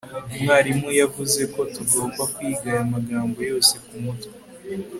umwarimu yavuze ko tugomba kwiga aya magambo yose kumutwe